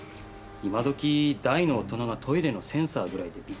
今どき大の大人がトイレのセンサーぐらいでびっくりするでしょうか。